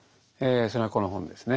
それがこの本ですね。